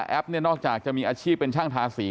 นอกจากจะมีอาชีพเป็นช่างทาสี